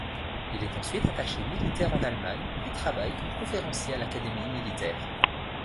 Il est ensuite attaché militaire en Allemagne et travaille comme conférencier à l'académie militaire.